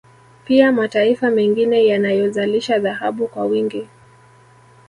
Pia mataifa mengine yanayozalisha dhahabu kwa wingi